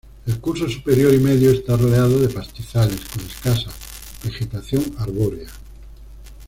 El curso superior y medio está rodeado de pastizales, con escasa vegetación arbórea.